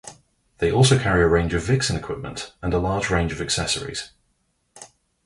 They also carry a range of Vixen equipment, and a large range of accessories.